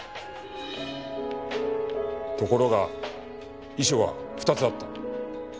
ところが遺書は２つあった。